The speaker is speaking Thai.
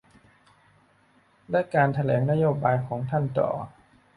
และการแถลงนโยบายของท่านต่อ